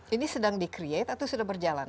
ini sedang di create atau sudah berjalan